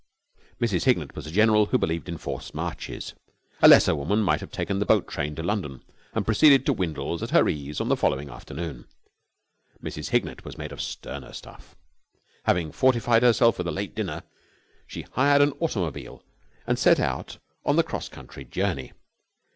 Mrs. Hignett was a general who believed in forced marches. A lesser woman might have taken the boat train to London and proceeded to Windles at her ease on the following afternoon. Mrs. Hignett was made of sterner stuff. Having fortified herself with a late dinner, she hired an automobile and set out on the cross country journey.